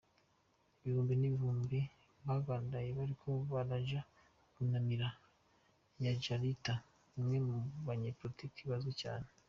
Ibihumbi n'ibihumbi bagandaye bariko baraja kunamira J Jayalalitha, umwe mubanye politike azwi cane.